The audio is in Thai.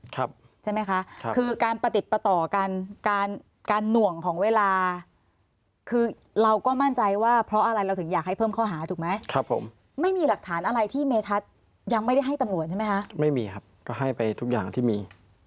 ใช่ไหมคะคือการประติดประต่อกันการการหน่วงของเวลาคือเราก็มั่นใจว่าเพราะอะไรเราถึงอยากให้เพิ่มข้อหาถูกไหมครับผมไม่มีหลักฐานอะไรที่เมทัศน์ยังไม่ได้ให้ตำรวจใช่ไหมคะไม่มีครับก็ให้ไปทุกอย่างที่มี